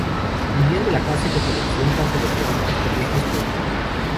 Vivían de la caza y recolección, tanto de productos terrestres como marinos.